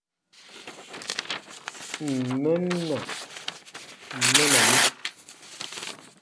Ǹ n mɛren na, mɛna mi.